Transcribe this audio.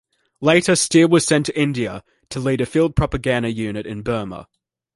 Later Steer was sent to India to lead a Field Propaganda Unit in Burma.